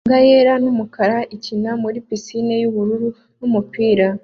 Imbwa yera n'umukara ikina muri pisine y'ubururu n'umupira